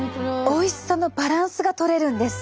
おいしさのバランスがとれるんです！